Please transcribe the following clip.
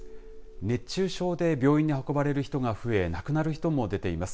熱中症で病院に運ばれる人が増え亡くなる人も出ています。